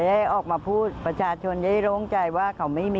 ท่านผู้ชมครับ